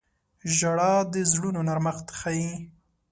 • ژړا د زړونو نرمښت ښيي.